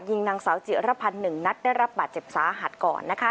ยิงนางสาวจิรพรรณ๑นัดได้รับบัตรเจ็บสาหัดก่อนนะคะ